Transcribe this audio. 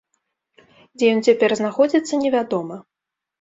Дзе ён цяпер знаходзіцца, невядома.